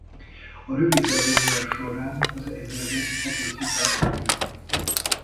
A rövid bevonulás során az ezredet atrocitás nem érte.